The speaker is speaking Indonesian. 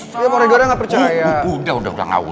saya cari nih sekarang